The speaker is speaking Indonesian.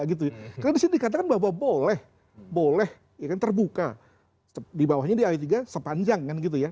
karena di sini dikatakan bahwa boleh terbuka dibawahnya di ayat tiga sepanjang